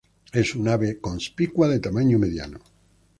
Es un ave conspicua de tamaño mediano.